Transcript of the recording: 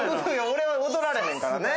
俺は踊られへんからね。